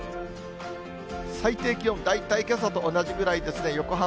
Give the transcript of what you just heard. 最低気温、大体けさと同じぐらいですね、横浜